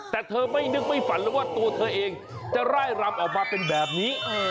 แต่เธอไม่นึกไม่ฝันเลยว่าตัวเธอเองจะไล่รำออกมาเป็นแบบนี้